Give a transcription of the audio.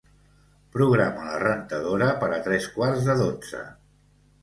Programa la rentadora per a tres quarts de dotze.